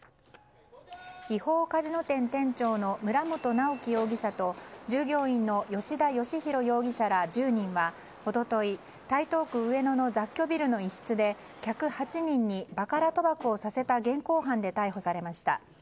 違法カジノ店店長の村本直樹容疑者と従業員の吉田芳洋容疑者ら１０人は一昨日、台東区上野の雑居ビルの一室で客８人にバカラ賭博をさせた現行犯で逮捕されました。